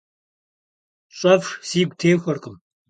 Щӏэфш, сигу техуэркъым.